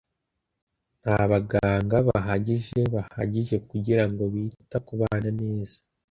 nta baganga bahagije bahagije kugirango bita kubana neza